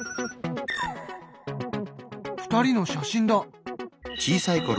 ２人の写真だ。